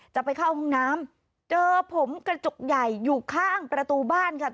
จะไปเข้าห้องน้ำเจอผมกระจกใหญ่อยู่ข้างประตูบ้านค่ะ